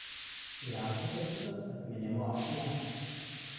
Jam pastatytas atminimo akmuo.